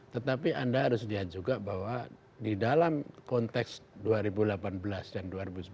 tetapi anda harus lihat juga bahwa di dalam konteks dua ribu delapan belas dan dua ribu sembilan belas